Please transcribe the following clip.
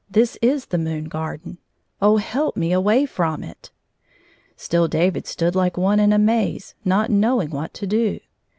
" This is the moon garden ! Oh, help me away from it !" Still David stood like one in a maze, not know ing what to do.